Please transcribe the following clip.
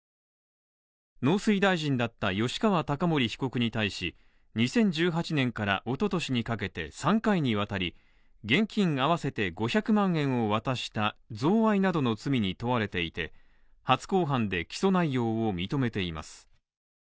農水大臣だった吉川貴盛被告に対し、２０１８年からおととしにかけて３回にわたり現金合わせて５００万円を渡した贈賄などの罪に問われていて、初公判で起訴内容を認めています。